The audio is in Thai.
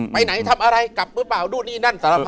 ไปไหนทำอะไรกลับหรือเปล่านู่นนี่นั่นสารภาพ